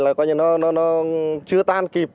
là coi như nó chưa tan kịp